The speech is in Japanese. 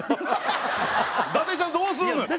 伊達ちゃんどうするのよ！